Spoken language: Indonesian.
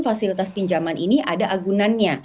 fasilitas pinjaman ini ada agunannya